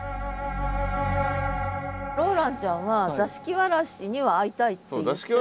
ローランちゃんは座敷わらしには会いたいって言ってる。